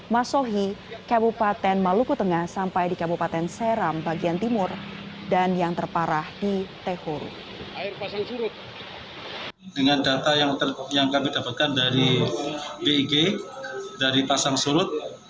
masohi kabupaten maluku tengah sampai di kabupaten seram bagian timur dan yang terparah di tekorug